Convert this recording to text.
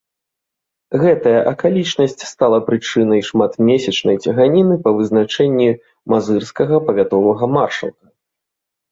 Гэтая акалічнасць стала прычынай шматмесячнай цяганіны па вызначэнні мазырскага павятовага маршалка.